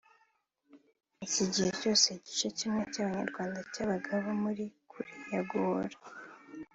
Iki gihe cyose igice kimwe cy’abanyarwanda cyabagabo muri kuriya Guhora